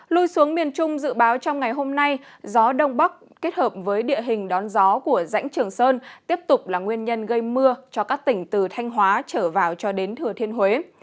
lui xuống miền trung dự báo trong ngày hôm nay gió đông bắc kết hợp với địa hình đón gió của rãnh trường sơn tiếp tục là nguyên nhân gây mưa cho các tỉnh từ thanh hóa trở vào cho đến thừa thiên huế